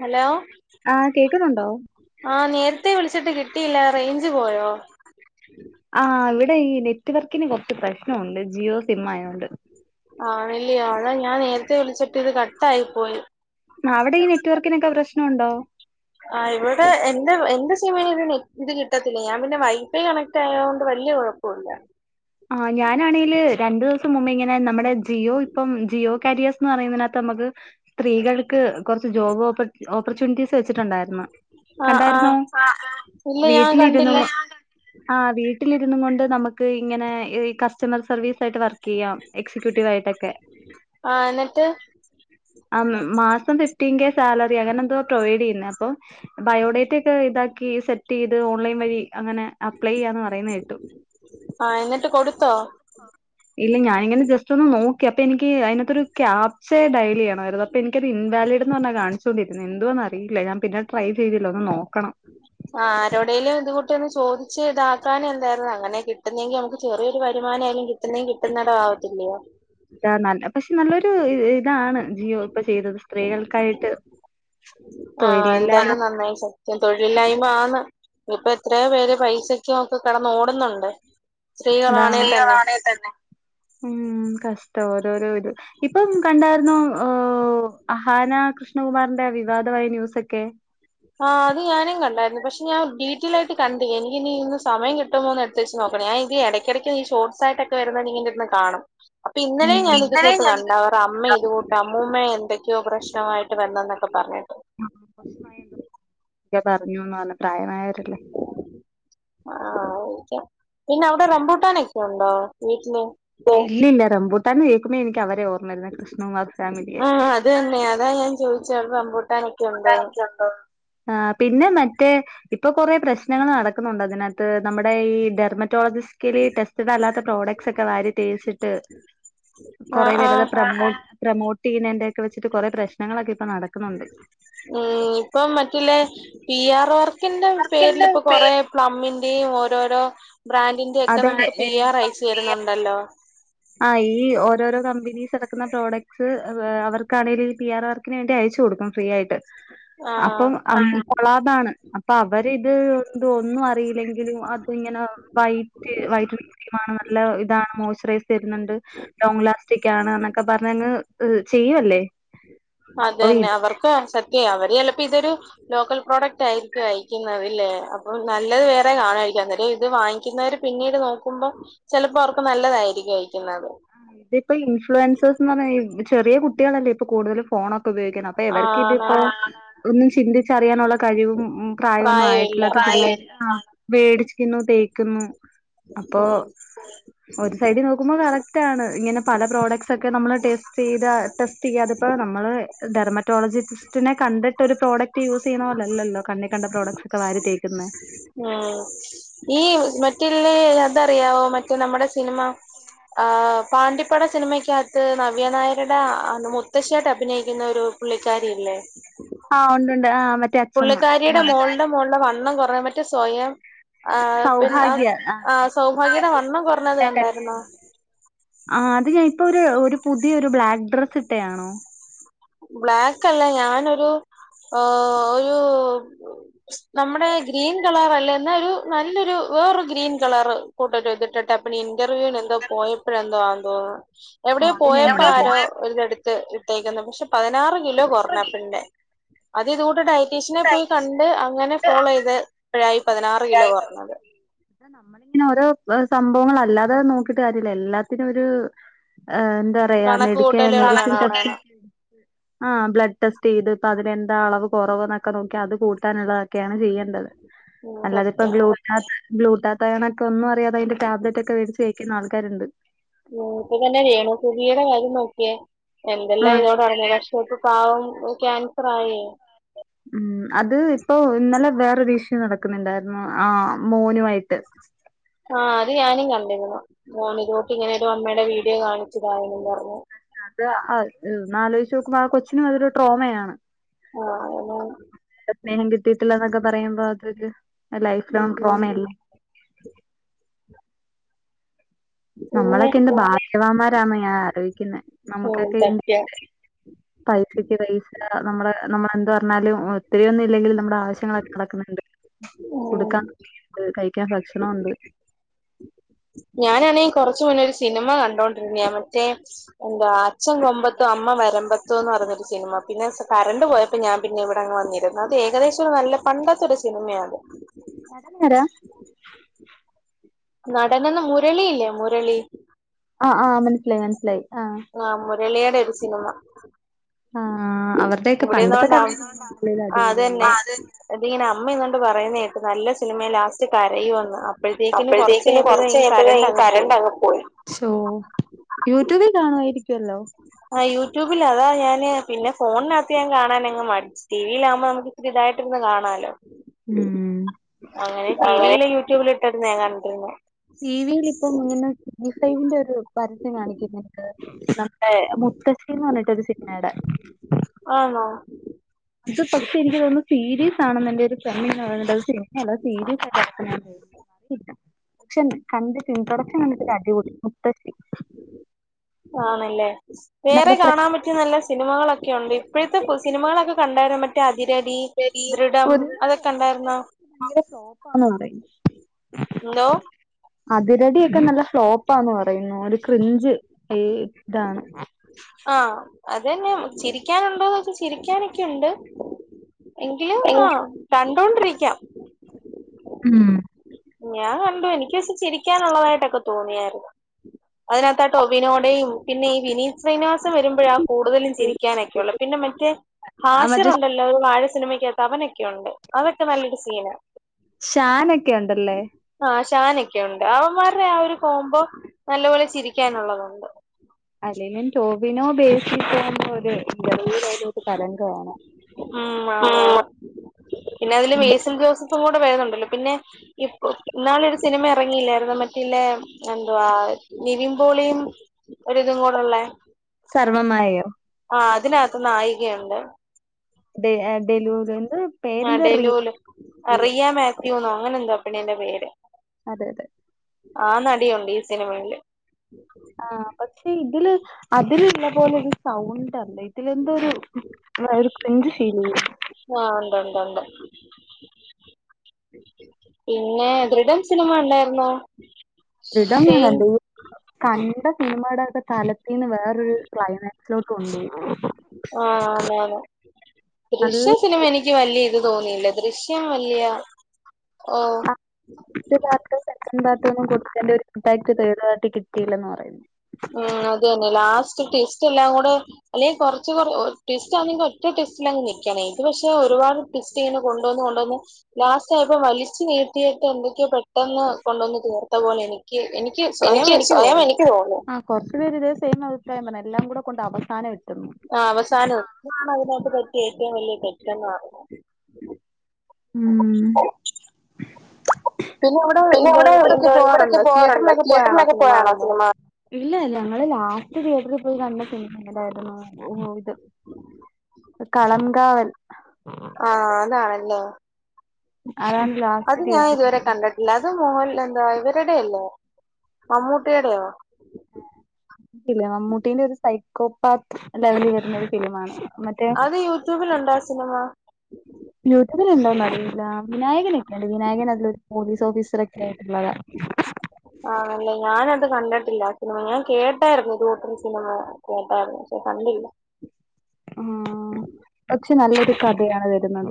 Hello ആഹ് കേക്കുന്നുണ്ടോ ആഹ് നേരത്തെേ വിളിച്ചിട്ട് കിട്ടിയില്ല റേഞ്ച് പോയോ ആഹ് ഇവിടെ ഈ നെറ്റ് വർക്കിന് കുറച്ച് പ്രശ്നമുണ്ട് ജിയോ സിം ആയതൊണ്ട് ആണല്യോ അതാ ഞാൻ നേരത്തെ വിളിച്ചിട്ട് ഇത് കട്ടായി പോയി അവിടെ ഈ നെറ്റ് വർക്കിനൊക്കെ പ്രശ്നണ്ടോ ആഹ് ഇവിടെ എന്റെ എന്റെ സിമ്മില് ഇത് കിട്ടത്തില്ല ഞാൻ പിന്നെ വൈഫൈ കണക്ട് ക്റ്റായൊണ്ട് വല്യ കൊഴപ്പമില്ല ആഹ് ഞാനാണേല് രണ്ടുസം മുമ്പ് ഇങ്ങനെ നമ്മുടെ ജിയോ ഇപ്പം ജിയോ കരിയേസ്ന്ന് പറയുന്നതിനാത്ത് നമുക്ക് സ്ത്രീകള് ക്ക് കുറച്ച് ജോബ് ഓപ്പർച്യൂണിറ്റീസ് വെച്ചിട്ടുണ്ടായിരുന്നു ആഹ് കണ്ടായിരുന്ന ആഹ് ഇല്ല ഞാൻ വീട്ടിലിരുന്നു കണ്ടില്ല ആഹ് വീട്ടിലിരുന്നുമുണ്ട് നമുക്ക് ഇങ്ങനെ ക കസ്റ്റമർ സർവീസ് ആയിട്ട് വർക്ക് ചെയ്യാം എക്സിക്യൂട്ടീവ് ആയിട്ടൊക്കെ ആഹ് എന്നിട്ട് ആഹ് മാസം ഫിഫ്റ്റികെ സാലറിയാ അങ്ങനെ എന്തോ പ്രൊവൈഡ് ചെയ്യുന്നെ അപ്പൊ ബയോഡേറ്റക്കെ ഇതാക്കി സെറ്റ് ചെയ്ത് ഓൺലൈൻ വഴി അങ്ങനെ അപ്ലൈ ചെയ്യാന്ന് പറയുന്ന കേട്ടു ആഹ് എന്നിട്ട് കൊടുത്തോ ഇല്ല ഞാനിങ്ങനെ ജ റ്റൊന്ന് നോക്കി അപ്പെനിക്ക് അയിനാത്തൊരു ക്യാപ്ച്ച ഡയല് ചെയ്യണമായിരുന്നു അപ്പൊ എനിക്കത് ഇൻവാലിഡ് എന്ന് പറഞ്ഞാ കാണിച്ചു കൊണ്ടിരുന്നേ എന്തുവാന്നറിയില്ല ഞാൻ പിന്നെ ട്രൈ ചെയ്തില്ല ഒന്ന് നോക്കണം ആഹ് ആരോടേലും ഇത് കൂട്ട് ഒന്ന് ചോദിച്ചു ഇതാക്കാനെന്തായിരുന്നു അങ്ങനെ കിട്ടുന്നെങ്കി നമുക്ക് ചെറിയൊരു വരുമാനായാലും കി ട്ടുന്നേം കിട്ടുന്നിടം ആവത്തില്ലയോ അതാ നല്ല പക്ഷെ നല്ലൊരു ഇതാണ് ജീയോ ഇപ്പ ചെയ്തത്. സ്ത്രീകൾക്കായിട്ട് തൊഴിലില്ലായ് അമേസിങ് തൊഴിലില്ലായ്മ ആന്ന് ഇപ്പ എത്രയോ പേര് പൈസക്കൊക്കെ കെടന്ന് ഓടുന്നുണ്ട്. സ്ത്രീകളാണെ അതാണ് തന്നെ [unintelligible] ഉം കഷ്ടോ ഓരോരോ ഇത് ഇപ്പം കണ്ടായിരുന്നോ അഹാന കൃഷ്ണകുമാറിന്റെ വിവാദമായ ന്യൂസൊക്കെ? ആഹ് അത് ഞാനും കണ്ടായിരുന്ന്. പക്ഷേ ഞാൻ ഡീറ്റെയിൽ ആയിട്ട് കണ്ട്. എനിക്കിനി ഇന്ന് സമയം കിട്ടുമോ എന്ന് ജസ്റ്റ്‌ ഓപ്പൺ ആയെങ്കി എടക്കിടയ്ക്ക് ഈ ഷോർട്ടസൊക്കെട്ട് വരുന്നുണ്ടെങ്കി ന്റെ അടുത്ത്ന്ന് കാണും. അപ്പൊ ഇന്നലെ ഉം ഞൻ ഇത് കൂട്ട് പ്പ പ്പ ഇന്നലിം ഞാൻ ഇത് ഇന്നലെയും കൂട്ട് കണ്ട്. കണ്ടിരുന്നു അവർടെ അമ്മ ഇത് കൂട്ട് അമ്മൂമ്മ എന്തൊക്കെയോ പ്രശ്നമായിട്ട് വന്നെന്നൊക്കെ പറഞ്ഞട്ട് ഉം പ്രശ്നായി ക്ക്യോ പറഞ്ഞുന്ന് പറഞ്ഞ് പ്രായമായവരല്ലേ? ആഹ് ഓക്കെ പിന്നെ അവടെ റംബൂട്ടാനൊക്കെണ്ടോ വീട്ടില്? ഇല്ലില്ല. റംബുട്ടാൻ ന്ന് കേക്കുമേ എനിക്ക് അവരെ ഓർമ്മരുന്നേ. കൃഷ്ണകുമാർ ഫാമിലിയെ അതന്നെ അതാ ഞാൻ ചോദിച്ചവിടെ റംബൂട്ടാനോ നകത്ത് ഒണ്ടോന്ന്. ആഹ് പിന്നെ മറ്റേ ഇപ്പ കൊറേ പ്രശ്നങ്ങള് നടക്കുന്നുണ്ട് അതിനക ത്ത് നമ്മടെ ഈ ഡെർമറ്റോളജിക്കലി ടെസ്റ്റഡ് അല്ലാത്ത പ്രോഡക്ട്സ് ഒക്കെ വാരി തേച്ചിട്ട് കൊറേ ആഹ് പേരത് ആഹ് പ്രമോ പ്രമോട്ട് ചെയ്യുന്നേന്റോക്കെ വെച്ചിട്ട് കൊറെ പ്രശ്നങ്ങളൊക്കെ ഇപ്പ നടക്കുന്നുണ്ട്. ഉം ഇപ്പം മറ്റിള്ളേ പി ആർ വർക്കിന്റെ വർക്കിന്റെ പേരിലിപ്പ കൊറേ പേര് പ്ലമ്മിന്റെയും ഓരോരോ ബ്രാൻഡിന്റെ ഒക്കെ അതെ നമുക്ക് പി ഏഹ് ആർ അയച്ചു തരുന്നുണ്ടല്ലോ. ആഹ് ഈ ഓരോരോ കമ്പനീസ് എറക്കുന്ന പ്രോഡക്ട്സ് ഏഹ് അവർക്കാണെങ്കലും ഈ പി ആർ വർ ന്ന്ട്ട് അയച്ചു കൊടുക്കും ഫ്രീ ആയ്ട്ട് ആഹ് അപ്പം അ കൊള്ളാതാണ് അപ്പ അവരിത് ഒന്നും അറിയില്ലെങ്കിലും അത്ങ്ങനെ വൈറ്റ് വയിറ്റ് നല്ല ഇതാണ് മോയ്സ്ചറൈസ് തരുന്നുണ്ട്. ലോങ്ങ് ലാസ്റ്റിക് ആണ് എന്നൊക്കെ പറഞ്ഞങ്ങ് ത് ചെയ്യുവല്ലേ? അപ്പ വീണ്ടും [unintelligible] ക്കെ അവര് ചെലപ്പോ ഇതൊരു ലോക്കൽ പ്രോഡക്റ്റ് ആയിരിക്കും അയക്കുന്നത്തത് ല്ലേ? നല്ലത് വേറെ കാണായിരിക്കും അതരെ വാങ്ങിക്കുന്നവര് പിന്നീട് നോക്കുമ്പം ചെലപ്പോ അവർക്ക് നല്ലതായിരിക്കും അയക്കുന്നത്. ഇപ്പ ഇൻഫ്ലുവൻസേഴസ് എന്ന് പറഞ്ഞ് ഈ ചെറ്യ കുട്ടികളല്ലേ ഇപ്പ കൂടുതൽ ഫോണൊക്ക് ഉപയോഗിക്കണ് അപ്പോ എവർക്കിതിപ്പോ ആണാണ് ഒന്നും ഏഹ് ചിന്തിച്ചറിയാനുള്ള കഴിവും ഉം. പ്രായമൊന്നും പ്രായമില്ല ആയിട്ടില്ലാത്ത ആണാണ് പിള്ളേര് പ്രായേ ആഹ് വേടിച്ചിക്കുന്നു തേക്കുന്നു. അപ്പോ ഉം ഒരു സൈഡിൽ നോക്കുമ്പോ കറക് റ്റാണ് ഇങ്ങനെ പല പ്രോഡക്ട്സ് ഒക്കെ നമ്മള് ടെസ്റ്റ് ചെയ്ത ടെസ്റ്റ് ചെയ്യാതിപ്പോ നമ്മള് ഡെർമറ്റോളജിസിസ്റ്റിനെ കണ്ടിട്ട് ഒരു പ്രോഡക്ട് റ്റ് യൂസ് ചെയ്യുന്ന പോലല്ലല്ലോ കണ്ണിക്കണ്ട പ്രോഡക്സ് ഒക്കെ വാരി തേക്കുന്നേ. ഉം ഈ മറ്റ്ള്ളേ അതറിയാവോ മറ്റേ നമ്മടെ സിനിമ ആഹ് പാണ്ടിപ്പട സിനിമയ്ക്കകത്ത് നവ്യ നായരുടെ മുത്തശ്ശ്യായിട്ട് അഭിനയിക്കുന്ന ഒരു പുള്ളിക്കാരില്ലേ? ആഹ് ഒണ്ടുണ്ട് ആഹ് മ പുള്ളിക്കാരിയുടെ മോളുടെ മോളുടെ വണ്ണം കൊറയാൻ പറ്റും സ്വയം ആഹ് പിന്നെ സൗഭാഗ്യ ആഹ് ആഹ് ആ സൗഭാഗ്യടെ വണ്ണം കുറഞ്ഞത് കണ്ടായിരുന്നോ? ആഹ് അത് ഞാൻ ഇപ്പ ഒരു ഒരു പുതിയ ഒരു ബ്ലാക്ക് ഡ്രസ്സ് ഇട്ടയാണോ? ബ്ലാക്ക് അല്ല ഞാനൊരു ഏഹ് ഒരു നമ്മടെ ഗ്രീൻ കളർ അല്ല. എന്നാ ഒരു നല്ലൊരു വേറൊരു ഗ്രീൻ കളറ് ഇവടൊരു ഇതിട്ടിട്ട് അപ്പണ്ണ് ഇന്റർവ്യൂവിന് എന്തോ പോയപ്പഴന്തോ ആന്ന് തോന്നണു ആ എവിടെയോ അത് ഞാൻ പോയപ്പ ആരോ ഇതെടുത്ത് ഇട്ടേക്കുന്ന്. പക്ഷേ പതിനാറ് കണ്ടില്ല കിലോ കൊറഞ്ഞ് ആ പെണ്ണിന്റെ അത് ഇത് കൂട്ട് ഡയറ്റീഷ്യനെ പോയി കണ്ട് അങ്ങനെ ഫോളോയ്ത് ഴായി പതിനാറ് കിലോ കൊറഞ്ഞത് ഇ നമ്മളിങ്ങനെ ഓരോ സംഭവങ്ങൾ അല്ലാതെ നോക്കിട്ട് കാര്യല്ല എല്ലാത്തിനും ഒരു ആഹ് എന്താ പറയാ കണക്ക് മെഡിക്കെ കൂട്ടലുകൾ കണക്കൂട്ടല് വേണാണാണ് ആഹ് ബ്ലഡ് ടെസ്റ്റ് ചെയ്ത് ഇപ്പ അതിനെന്താ അളവ് കുറവന്നൊക്കെ നോക്കി അത് കൂട്ടാനുള്ളതൊക്കെയാണ് ചെയ്യേണ്ടത് ഉം അല്ലാതി ഇപ്പ സത്യം ബ്ലൂടാത്ത് ബ്ലൂടാത്ത്യാനൊക്കെ ഒന്ന അറിയാതെതിന്റെ ടാബ്ലറ്റ് ഒക്കെടിച്ച് കഴിക്കുന്ന ആൾക്കാരുണ്ട് ഉ ഇപ്പ തന്നെ വേണു കുതിര കാര്യം നോക്കിയേ ആ എന്തെല്ലാം ഇതോടറിഞ്ഞ വർഷട്ട് പാവം ക്യാൻസർ ആയി ഉം അത് ഇപ്പൊ ഇന്നലെ വേറെ വിഷയം നടക്കുന്നുണ്ടായിരുന്നു ആഹ് മോനുമായിട്ട് ആഹ് അത് ഞാനും കണ്ടിരുന്നു മോൻ ഇതോട്ട് ഇങ്ങനെ ഒരു അമ്മയുടെ വീഡിയോ കാണിച്ചതായനും പറഞ്ഞു അത് ആഹ് മ് ആലോചിച്ച് നോക്കുമ്പ ആകൊച്ച ചുന് അതരു ട്രോമയാണ് ആ അങ്ങനെ സ്നേഹം കിട്ടീട്ടല്ലന്നൊക്കെ പറയുമ്പോ അതൊരു ഉം ലൈഫലോങ്ങ്‌ ഉം ട്രോമയല്ലെ പിന്നെ നമ്മളൊക്കെ എന്ത് ഭാഗ്യവാമാരാന്ന ഞാൻ ആലോയിക്കുന്നെ ഉം നമ്മുക്കൊക്കെ സത്യം പൈസക്ക് പൈസ നമ്മളെ നമ്മള എന്ത് പറഞ്ഞാലും ഒത്തിരിയൊന്നും ഇല്ലെങ്കിൽ നമ്മുടെ ആവശ്യങ്ങളൊക്കെ നടക്കുന്നുണ്ട് ഉം ഉടുക്കാൻ തുണിയുണ്ട് കയി ക്ക ഭക്ഷണം ഉണ്ട് ഞാനാണെങ്കി കൊറച്ചു മുന്നെ ഒരു സിനിമ കണ്ടോണ്ടിരുന്നിയ മറ്റേ എന്താ അച്ഛൻ കൊമ്പത്തോ അമ്മ വരമ്പത്തോ എന്ന് പറഞ്ഞൊരു സിനിമ പിന്നെ കറണ്ട് പോയപ്പോ ഞാൻ പിന്നെ ഇവിടെങ്ങ് വന്നിരുന്നു അത് ഏകദേശം നല്ല പണ്ടാത്ത ഒരു സിനിമയാണ് അത് നടനെഏതാ നടനന്ന മുരളിയില്ലേ മുരളി ആഹ് ആഹ് മനസ്സിലായി മനസിലായി ആഹ് ആഹ് മുരളിയുടെ ഒരു സിനിമ ആഹ് അവരുടെയൊക്കെ പണ്ടത്തെ ഇവിടെന്നോണ്ടാ കഥഅ ആഹ് ആ അതന്നെ അതെ അതിങ്ങനെ അമ്മവണ്ട് പറയുന്ന കേട്ട് നല്ല സിനിമയെ ലാസ്റ്റ് കരയുമന്ന് അപ്പ് അപ്പോഴത്തേക്കിന് കുറച്ച കഴഞ്ഞപ്പോഴ കരണ്ട് അങ്ങ് പോയി ശോ. യൂട്യൂബിൽ കാണുമായിരിക്കുവല്ലോ ആഹ് യൂട്യൂബില അതാ ഞാന് പിന്നെ ഫോണിനകത്ത് ഞാൻ കാണാനഅങ്ങ് മടി ടിവിലാ ആകുമ്പോ നമുക്ക് ഇച്ചിരിതായിട്ടിരുന്ന് കാണാലോ ഉം അങ്ങനെ ഇപ്പൊ ടിവിയില യൂട്യൂബില ഇട്ടായിരുന്നു ഞാൻ കണ്ടിരുന്നെ ടി വിയിൽ ഇപ്പം ഇങ്ങനെ മിസൈലിന്റെ ഒരു പരസ്യം കാണിക്കുന്നുണ്ട് നമ്മുടെ മുത്തശ്ശിന്ന് പറഞ്ഞിട്ട് ഒരു സിനിമയുടെ ആണോ ഇത് പക്ഷെ എനിക്ക് തോന്ന്നു സീരീസ് ആണെന്ന എന്റെ ഒരു ഫ്രണ്ട് പറഞ്ഞി അത സിനിമയല്ല അത് സീരീസ് ആയിട്ട് നടക്കുന്നെ പക്ഷെകണ്ടിട്ട് പ്രൊഡക്ഷൻ കണ്ടിട്ട് അടിപൊടി മുത്തശ്ശി ആണല്ലേ വേറെ നമ്മുടെ കാണാൻ പറ്റ മറ്റ നല്ല സിനിമകളൊക്കെയ ഉണ്ട് ഇപ്പോഴത്തെ സിനമകളൊക്കെ കണ്ടരാൻ പറ്റ മറ്റ അതിരടി ശരി ദൃഢം അതൊക്കെ കണ്ടായിരുന്ന നല്ല ടോപ്പന്ന് പറയു ഹലോ അതിരടൊക്കെ നല്ല സ്ലോപ്പാന്ന് പറയുന്നു ഒരു ക്രിഞ്ച് ഫീൽ ആഹ് ആഹ് അതനെ ചിരിക്കാനുണ്ടോകയ്ച്ച ചിരിക്കാനൊക്കെയുണ്ട് എങ്കിലും ആഹ് കണ്ടോണ്ടിരിക്കാം ഉം ഞാൻ കണ്ടു എനിക്ക് പക്ഷെ ചിരിക്കാനുള്ളതായിട്ടൊക്കെ തോന്നിയായിരുന്നു അതിനകത്താ ടൊവിനോടെയും പിന്നെ ഈ വിനീത് ശ്രീനിവാസം വരുമ്പോഴാ കൂടുതലും ചിരിക്കാനൊക്കെയള്ളൂ പിന്നെ മറ്റേ ആ മറ്റേ ഹാശറുണ്ടല്ലോ ല്ലവരും വാഴ സിനിമയ്ക്ക് എത്ത അവൻ നിക്കാണുണ്ട് അതൊക്കെ നല്ലൊരു സീന. ഷാനൊക്കെ ഉണ്ടല്ലേ? ആഹ് ഷാനൊക്കെ ഉണ്ട് അവന്മാരുടെ ആ ഒരു കോംബോ നല്ലപോലെ ചിരിക്കാനുള്ളതുണ്ട്. അല്ലേലും ടോവിനോ ഉപേക്ഷിക്കോ [inaudible] ഉം ആണ് ആഹ് പിന്നെ അതില് മേസൻ ജോസഫ് കൂടെ വരുന്നുണ്ടല്ലോ പിന്നെ ഇപ്പോ ഇന്നാള് ഒരു സിനിമ എറങ്ങിയില്ലായിരുന്നോ മറ്റല്ലേ എന്തുവാ നിവിൻ പോളിയും ഒരിതും കൂടെള്ളേ സർവമായയോ? ആഹ് അതിനകത്ത് നായികയുണ്ട്. ഡെ ഏഹ് ഡെലൂറൽ ആഹ് ഡെലൂല് അറിയ മാത്യൂന്നോ അങ്ങനെ എന്തോ പെണ്ണീന്റെ പേര്. അതെ അതെ ആഹ് നടിയുണ്ട് ഈ സിനിമയില് ആഹ് പക്ഷെ ഇതില് അതിലുള്ള പോലെരു സൗണ്ടല്ലെ. ഇതില് എന്തൊരു ഒരു കെഞ്ച് [unintelligible] ആഹ് ഉണ്ട് ഉണ്ട് ഉണ്ട് പിന്നെ ദൃഡം സിനിമ ണ്ടായിരുന്നോ? ദൃഡം ഞാ കണ്ടു. കണ്ട സിനിമയുടെക്കെ തലത്തിന്ന് വേറൊരു ക്ലൈമാക്സിലോട്ട് ഉണ്ട് ആഹ് മേലെ നല്ല ദൃശ്യം പിന്നെ മെനിക്ക് വല്യ ഇത് തോന്നിയില്ല. ദൃശ്യം വല്യ ഓഹ് [unintelligible] കിട്ടിയില്ലന്ന് പറയുന്നു. ഉം അതന്നെ ലാസ്റ്റ് ട്വിസ്റ്റ് എല്ലാം കൂടെ എല്ലേൽ കൊർച്ച് കൊറ്യോ ട്വിസ്റ്റ് ആണെങ്കി ഒറ്റ ട്വിസ്റ്റിലങ്ങ് നിക്കണേ ഇത് പക്ഷെ ഒരുപാട് പിസ്റ്റല് കൊണ്ടോന്ന് കൊണ്ടോന്ന് ലാസ്റ്റ് ആയപ്പോ വലിച്ചു നീട്ടിയിട്ട് എന്തൊക്കെയോ പെട്ടെന്ന് കൊണ്ടൊന്ന് തീർത്ത പോലെനി. എനിക്ക് സ്വയം എനിക്ക് തോന്നുന്നു. ആഹ് കൊർച്ച് പേര് ഇതേ സൈം ഔട്ട ഞ പർഞ്ഞേ എല്ലാം കൂടെ കൊണ്ട് അവസാന ട്ടന്ന്. ആഹ് അവസാനം [unintelligible] പറ്റ്യേ ഏറ്റവും വലിയ തെറ്റെന്ന ഉം അവിടെ പിന്നെ എന്തോ ഇവട ഇവിടൊക്കെ ന്താ ഇവടൊക്കെ പോവാറുണ്ടോ തിയേറ്ററിലൊക്കെ തിയേറ്റർലക്കെ സിനിമ പോയാണോ കാണുന്നത് സിനിമ? ഇല്ല ല്ല ഞങ്ങള് ലാസ്റ്റ് തിയേറ്റർൽ പോയി കണ്ട സിനിമ എങ്ങനായിരുന്നോ ഓ ഇത്. കളംകാവൽ ആഹ് അതാണല്ലേ. അതാണ് ലാസ്റ്റ് അത് ഞാൻ തിയേറ്ററിൽ ഇതുവരെ കണ്ട ല്ല അത് മോഹൻ എന്താ ഇവരുടെയല്ലേ? അത് ഹേ ട്ടി മമ്മൂട്ടീന്റെ ഒരു സ കോപ്പാത്ത് [unintelligible] വര്ന്ന ഒരു ഫിലിമാണ് മറ്റേ [unintelligible] സിനിമ? യൂട്യൂബില്ണ്ടോന്ന് അറിയില്ല വിനായകൻ ഒക്കെയണ്ട് വിനായകൻ അതിലൊരു പോലീസ് ഓഫീസർ ഒക്കെ ആയിട്ടുള്ളതാ. ആണ് ല്ലേ ഞാന് അത് കണ്ട്ട്ടില്ല സിനിമ ഞാൻ കേട്ടായിരുന്നു. [unintelligible] സിനിമ കേട്ടായിരുന്നു പക്ഷെ കണ്ടില്ല. ഉം പക്ഷെ നല്ലൊരു കഥയാണ് വരുന്നത്.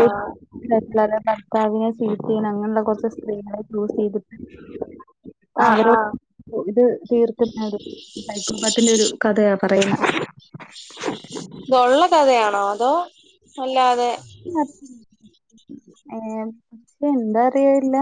ആഹ് ഭർത്താവിനെ ത്തീൻ അങ്ങനെള്ള കൊർച്ച് സ്ത്രീകളെ ചൂസ് ചെയ്തിട്ട് ആഹ് അവരോ ആഹ് ഇത് തീർക്ക്ന്നത്. സൈക്കോപാത്ത്ന്റെ ഒരു കഥയാ പറയുന്നേ. ത് ഒള്ള കഥയാണോ അതോ അല്ലാതെ? ഏഹ് പക്ഷെ എന്താ അറിയില്ല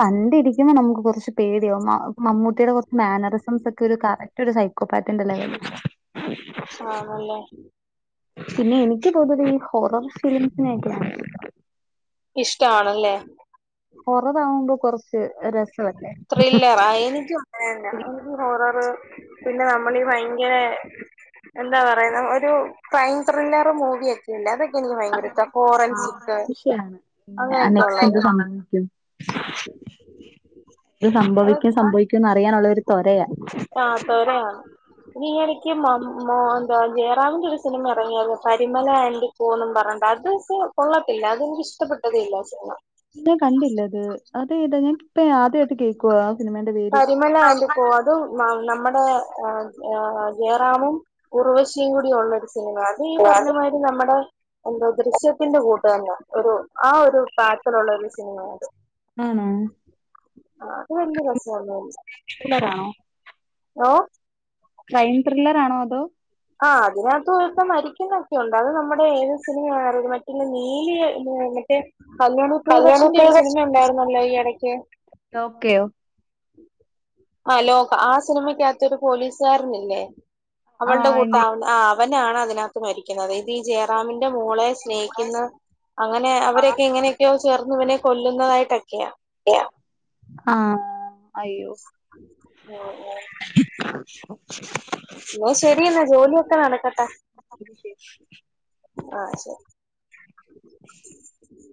കണ്ടിരി ന്നാ നമുക്ക് കൊറച്ച് പേടിയോ മ മമ്മുട്ടിയുടെ കൊർ മാനറിസംസ് ഒക്കെ ഒരു കറക്റ്റ് ഒരു സൈക്കോപാത്തിന്റെ ലെവല്. [inaudible] ആണല്ലേ പിന്നെ എനിക്ക് തോന്നത് ഈ ഹോറർ [unintelligible] ഇഷ്ടാണല്ലേ ഹൊററാവുമ്പൊ കൊറച്ച് രസവല്ലേ പ്രായെനിക്കും ഏ ഒരു അത് ഹൊററ് പിന്നെ നമ്മളീ ഭയങ്കരെ എന്താ പറയുന്നെ ഒരു ക്രൈം ത്രില്ലർ മൂവിയെ ത്രില്ലറൊക്കെനിക്ക് ഭയങ്കരിഷ്ടാ ഫോറൻസിക് അങ്ങനെയൊക്കുള്ളത് ആയിരിക്കും ഇത് അത് സംഭവിക്കും സംഭവിക്കുംന്നറിയാനുള്ളൊരു തൊരയാ ആഹ് തൊരയാ ഈയെടക്ക് മം എന്താ ജയറാമിന്റെയൊരു സിനിമ എറങ്ങിയാര്ന്ന് പരിമള ആൻഡ് പോന്നും പറണ്ട അത്ഷേ കൊള്ളത്തില്ല അതെനിക്കിഷ്ടപ്പെട്ടതേയില്ല ശോവാ ഞാൻ കണ്ടില്ലത് അതേതാ ഞാനിപ്പ ഞാദ്യായിട്ട് കേക്കുവ ആ സിനിമേന്റെ പേര് പരിമല ആൻഡ് കോ അത് ന നമ്മടെ ജയറാമും ഉർവശിയും കൂടിയൊള്ളൊരു സിനിമാണ് ഈ പറഞ്ഞ മാരി നമ്മടെ എന്തോ ദൃശ്യത്തിന്റെ കൂട്ട്തന്നെ ഒരു ആ ഒരു [unintelligible] ലൊള്ളൊരു സിനിമയാത് ആണോ അത് വല്യ രസൊന്നുല്ല ത്രില്ലറാണോ ഓ ക്രൈം ത്രില്ലറാണോ അതോ ആഹ് അതിനകത്ത്മൊത്തം മരിക്കുന്നൊക്കെയുണ്ട് അത് നമ്മുടെ ഏത് സിനിമയാത് മറ്റേ നീലിയെ വന്നിട്ട് കല്യാണ കല്യാണിപ്രിയദർശന്റെയൊരു പ്രിയദർശിനി സിനിയുണ്ടായിരുന്നല്ലോ ഈയെടക്ക് ലോക്കയോ ആഹ് ലോക ആഹ് സിനിമക്കകത്തൊരു പോലീസുകാരനില്ലേ അവൾടെ കൂട്ടാ ആഹ് അവനാണതിനകത്ത് മരിക്കുന്നത് ഈ ജയറാമിന്റെ മോളെ സ്നേഹിക്കുന്ന അങ്ങനെ അവരൊക്കെ ഇങ്ങനെ ക്കെയോ ചേർന്നിവനെ കൊല്ലുന്നതായിട്ടൊക്കെയാ ആഹ് അയ്യോ ഉം ഉം [inaudible] എന്നെശെരിയെന്നാ ജോലിയൊക്കെ നടക്കട്ടെ ആ ശെരി